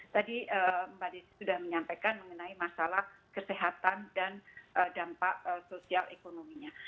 tadi mbak desi sudah menyampaikan mengenai masalah kesehatan dan dampak sosial ekonominya